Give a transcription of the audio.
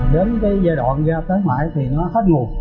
đến cái giai đoạn ra tới ngoài thì nó hết nguồn